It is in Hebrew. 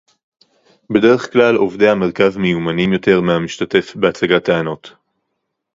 בדרך כלל עובדי המרכז מיומנים יותר מהמשתתף בהצגת טענות